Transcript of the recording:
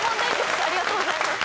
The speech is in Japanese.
ありがとうございます。